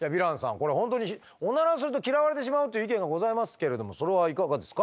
これ本当にオナラすると嫌われてしまうという意見がございますけれどもそれはいかがですか？